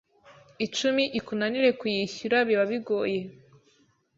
icumi ikunanire kuyishyura biba bigoye